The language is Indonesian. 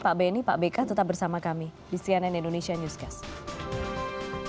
pak benny pak beka tetap bersama kami di cnn indonesia newscast